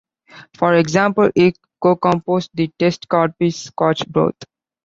For example, he co-composed the test card piece "Scotch Broth".